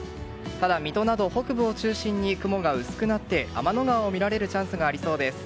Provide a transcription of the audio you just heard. ただ水戸など北部を中心に雲が薄くなって天の川を見られるチャンスがありそうです。